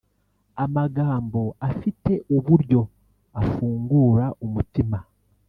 amagambo afite uburyo afungura umutima